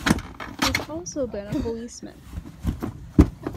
He has also been a policeman.